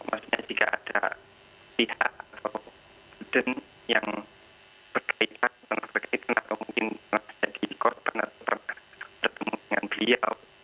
maksudnya jika ada pihak atau student yang berkaitan atau mungkin masih di korporat pernah bertemu dengan beliau